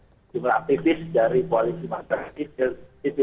dan ada jumlah aktivis dari polisi masyarakat